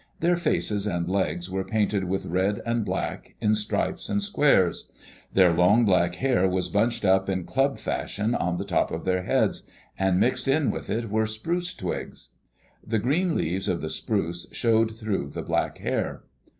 Their faces and legs were painted with red and black, in stripes and squares. Their long black hair was bunched up in club fashion on the top of their heads, and mixed in with it were spruce twigs. The green leaves of the spruce showed through the black hair.